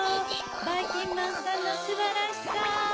ばいきんまんさんのすばらしさ